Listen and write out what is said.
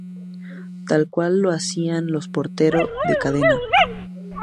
Tal cual lo hacían los portero de cadena.